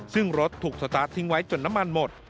ซึ่งรถถูกสตาร์ททิ้งไว้จนน้ำมันหมด